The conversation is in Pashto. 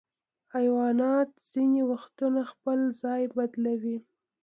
حیوانات ځینې وختونه خپل ځای بدلوي.